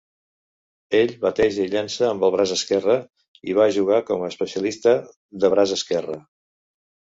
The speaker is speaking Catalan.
Ell bateja i llença amb el braç esquerre i va jugar com a especialista de braç esquerre.